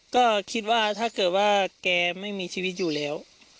ก็คิดว่าถ้าเกิดว่าแกไม่มีชีวิตอยู่แล้ว